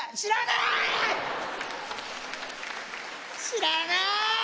知らない。